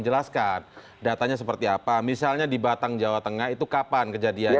jelaskan datanya seperti apa misalnya di batang jawa tengah itu kapan kejadiannya